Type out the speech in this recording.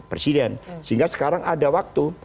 presiden sehingga sekarang ada waktu